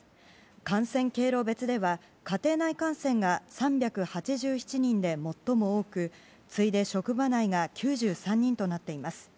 感染経路別では、家庭内感染が３８７人で最も多く次いで、職場内が９３人となっています。